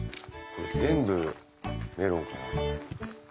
これ全部メロンかな？